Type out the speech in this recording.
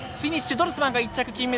ドルスマンが１着金メダル。